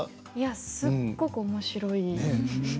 すごくおもしろい。